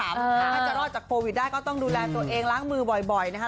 ถ้าจะรอดจากโควิดได้ก็ต้องดูแลตัวเองล้างมือบ่อยนะคะ